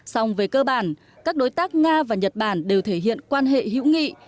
song về cơ bản các đối tác nga và nhật bản đều thể hiện quan hệ hữu nghị